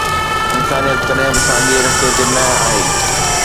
انسانيت ڪڏهن به ساڳئي رستي تي نه آهي